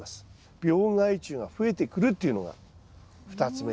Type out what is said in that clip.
病害虫が増えてくるというのが２つ目です。